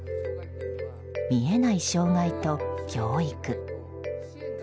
見えない障害と、教育。